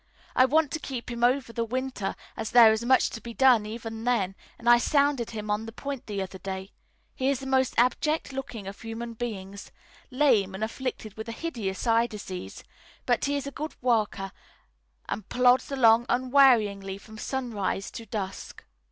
I want to keep him over the winter, as there is much to be done even then, and I sounded him on the point the other day. He is the most abject looking of human beings lame, and afflicted with a hideous eye disease; but he is a good worker and plods along unwearyingly from sunrise to dusk.